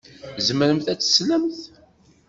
Tzemremt ad teslemt?